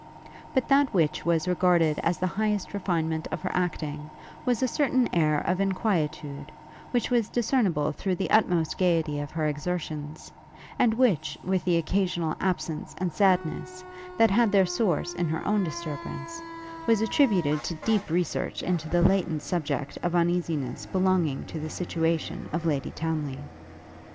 But that which was regarded as the highest refinement of her acting, was a certain air of inquietude, which was discernible through the utmost gaiety of her exertions, and which, with the occasional absence and sadness, that had their source in her own disturbance, was attributed to deep research into the latent subjects of uneasiness belonging to the situation of Lady Townly.